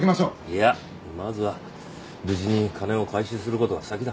いやまずは無事に金を回収する事が先だ。